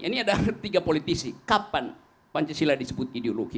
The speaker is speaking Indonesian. ini ada tiga politisi kapan pancasila disebut ideologi